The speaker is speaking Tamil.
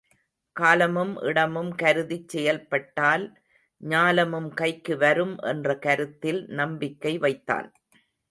காலமும் இடமும் கருதிச் செயல்பட்டால் ஞாலமும் கைக்கு வரும் என்ற கருத்தில் நம்பிக்கை வைத்தான்.